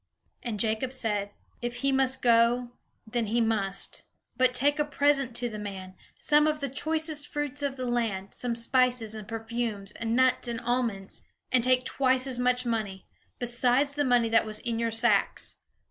And Jacob said, "If he must go, then he must. But take a present to the man, some of the choicest fruits of the land, some spices, and perfumes, and nuts, and almonds. And take twice as much money, besides the money that was in your sacks.